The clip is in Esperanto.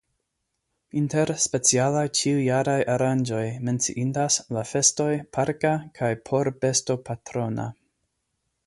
Inter specialaj ĉiujaraj aranĝoj menciindas la festoj parka kaj porbestopatrona.